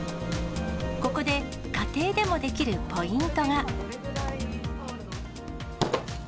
ここで、家庭でもできるポイントが。